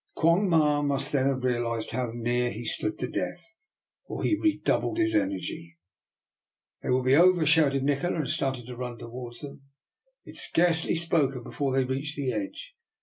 Quong Ma must then have realized how near he stood to death, for he redoubled his en ergy. " They will be over," shouted Nikola, and started to run towards them. He had scarce DR. NIKOLA'S EXPERIMENT. 30s ly spoken before they reached the edge.